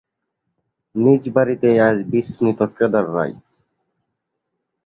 নিজের বাড়িতেই আজ বিস্মৃত কেদার রায়।